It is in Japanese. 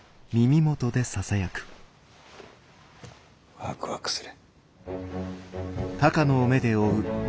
ワクワクする。